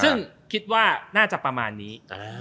ซึ่งคิดว่าน่าจะประมาณนี้